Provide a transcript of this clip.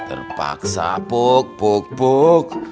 terpaksa puk puk puk